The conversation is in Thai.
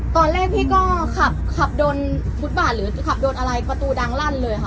ตอนแรกพี่ก็ขับขับโดนฟุตบาทหรือขับโดนอะไรประตูดังลั่นเลยค่ะ